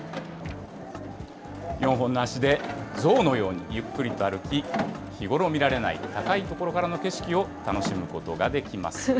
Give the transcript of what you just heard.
４本の足で象のようにゆっくりと歩き、日頃見られない高い所からの景色を楽しむことができます。